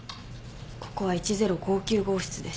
ここは１０５９号室です。